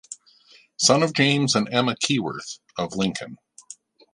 Son of James and Emma Keyworth, of Lincoln.